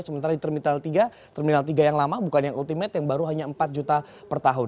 sementara di terminal tiga terminal tiga yang lama bukan yang ultimate yang baru hanya empat juta per tahun